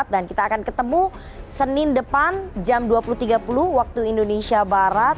dan kita akan ketemu senin depan jam dua puluh tiga puluh waktu indonesia barat